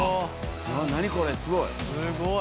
何これすごい。